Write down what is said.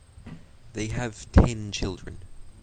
They have ten children.